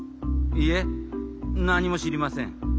いえなにもしりません。